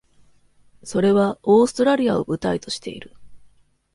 それは、オーストラリアを舞台としている。